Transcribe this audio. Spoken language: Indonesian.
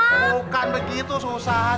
bukan begitu susan